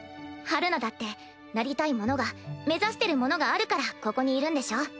陽菜だってなりたいものが目指してるものがあるからここにいるんでしょ？